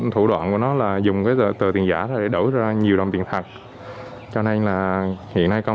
thủ đoạn của nó là dùng cái tờ tiền giả để đổ ra nhiều đồng tiền phạt cho nên là hiện nay công